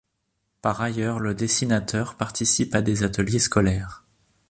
Par ailleurs, le dessinateur participe à des ateliers scolaires.